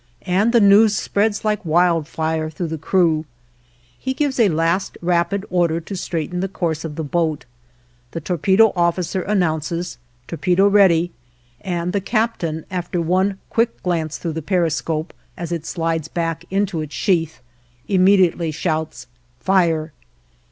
and the news spreads like wildfire through the crew. He gives a last rapid order to straighten the course of the boat. The torpedo officer announces, "Torpedo ready" and the captain, after one quick glance through the periscope, as it slides back into its sheath, immediately shouts, "Fire!"